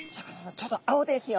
ちょうど青ですよ。